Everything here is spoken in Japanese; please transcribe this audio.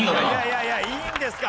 いやいや「いいんですか？」。